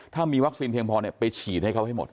ถ้ามีวัคซีนเพียงพอไปฉีดให้เขาให้หมด